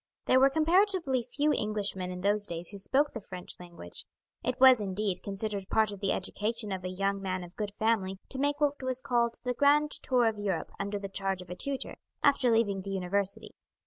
There were comparatively few Englishmen in those days who spoke the French language. It was, indeed, considered part of the education of a young man of good family to make what was called the grand tour of Europe under the charge of a tutor, after leaving the university.